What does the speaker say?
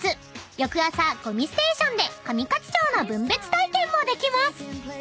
［翌朝ゴミステーションで上勝町の分別体験もできます］